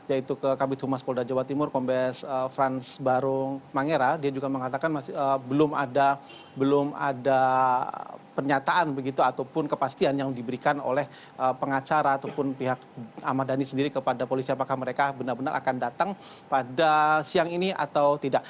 yaitu ke kabit humas polda jawa timur kombes frans barung mangera dia juga mengatakan belum ada pernyataan begitu ataupun kepastian yang diberikan oleh pengacara ataupun pihak ahmad dhani sendiri kepada polisi apakah mereka benar benar akan datang pada siang ini atau tidak